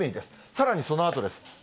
さらにそのあとです。